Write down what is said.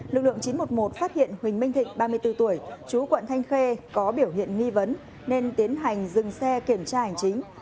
lực lượng chín trăm một mươi một phát hiện huỳnh minh thịnh ba mươi bốn tuổi chú quận thanh khê có biểu hiện nghi vấn nên tiến hành dừng xe kiểm tra hành chính